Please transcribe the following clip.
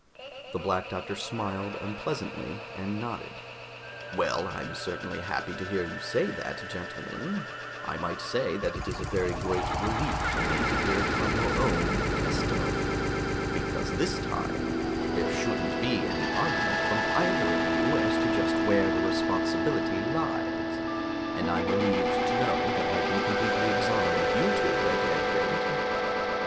The Black Doctor smiled unpleasantly and nodded. "Well, I'm certainly happy to hear you say that, gentlemen. I might say that it is a very great relief to me to hear it from your own testimony. Because this time there shouldn't be any argument from either of you as to just where the responsibility lies, and I'm relieved to know that I can completely exonerate you two, at any rate."